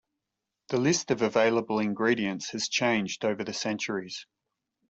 The list of available ingredients has changed over the centuries.